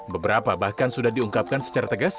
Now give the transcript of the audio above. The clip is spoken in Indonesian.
beberapa bahkan sudah diungkapkan secara tegas